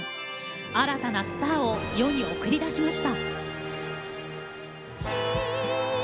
新たなスターを世に送り出しました。